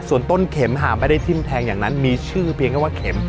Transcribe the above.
ส่วนต้นเข็มหากไม่ได้ทิ้มแทงอย่างนั้นมีชื่อเพียงแค่ว่าเข็ม